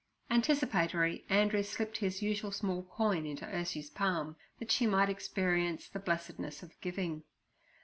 Anticipatory Andrew slipped his usual small coin into Ursie's palm that she might experience the blessedness of giving.